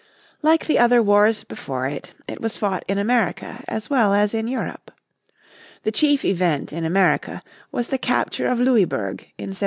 Like the other wars before it, it was fought in America as well as in Europe. The chief event in America was the capture of Louisburg in 1745.